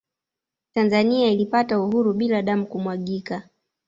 Tanzania ilipata uhuru bila damu kumwagika